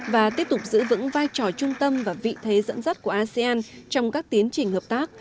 và tiếp tục giữ vững vai trò trung tâm và vị thế dẫn dắt của asean trong các tiến trình hợp tác